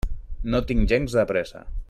No tinc gens de pressa.